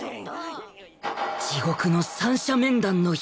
地獄の三者面談の日